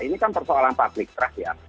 ini kan persoalan pabrik terakhir